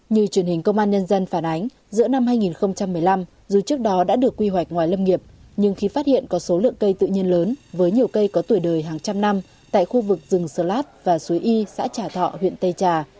như truyền hình công an nhân dân phản ánh giữa năm hai nghìn một mươi năm dù trước đó đã được quy hoạch ngoài lâm nghiệp nhưng khi phát hiện có số lượng cây tự nhiên lớn với nhiều cây có tuổi đời hàng trăm năm tại khu vực rừng sờ lát và suối y xã trà thọ huyện tây trà